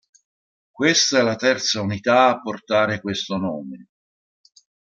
Questa è la terza unità a portare questo nome.